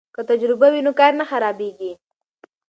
که تجربه وي نو کار نه خرابېږي.